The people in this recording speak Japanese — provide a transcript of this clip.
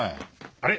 あれ？